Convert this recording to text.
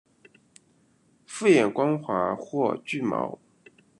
复眼光滑或具毛。